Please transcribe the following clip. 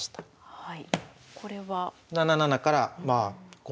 はい。